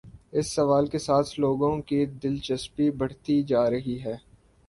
اس سوال کے ساتھ لوگوں کی دلچسپی بڑھتی جا رہی ہے۔